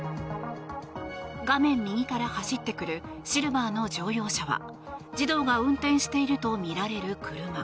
画面右から走ってくるシルバーの乗用車は児童が運転しているとみられる車。